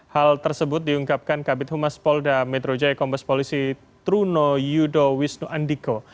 hal tersebut diungkapkan kabit humas polda metro jaya kombes polisi truno yudo wisnu andiko